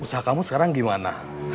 usaha kamu sekarang gimana